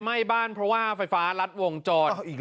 ไหม้บ้านเพราะว่าไฟฟ้ารัดวงจร